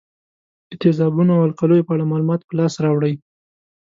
د تیزابونو او القلیو په اړه معلومات په لاس راوړئ.